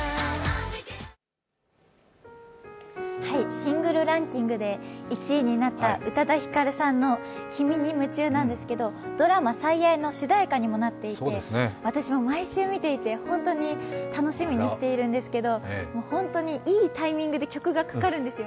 シングルランキングで１位になった宇多田ヒカルさんの「君に夢中」なんですけど、ドラマ「最愛」の主題歌にもなっていて私も毎週見ていて本当に楽しみにしているんですけれど、本当にいいタイミングで曲がかかるんですよ。